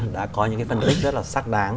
đã có những cái phân tích rất là xác đáng